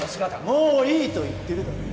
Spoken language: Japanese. もういいと言ってるだろ！